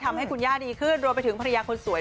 ให้คุณย่าดีขึ้นรวมไปถึงภรรยาคนสวย